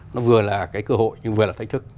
nó vừa là cái cơ hội nhưng vừa là thách thức